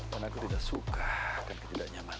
dan aku tidak suka dengan ketidaknyamanan